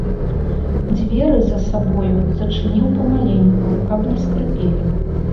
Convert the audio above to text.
Дзверы за сабою зачыніў памаленьку, каб не скрыпелі.